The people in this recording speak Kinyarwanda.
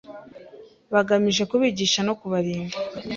bagamije kubigisha no kubarinda,